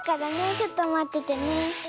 ちょっとまっててね。